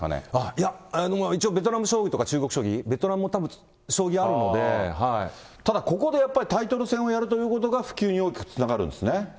いや、一応ベトナム将棋とか、中国将棋、ベトナムもたぶん、将ただここでやっぱりタイトル戦をやるということが、普及に大きくつながるんですね。